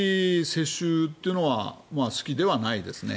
世襲というのは好きではないですね。